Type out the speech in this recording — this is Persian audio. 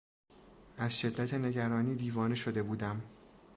از شدت نگرانی دیوانه شده بودم.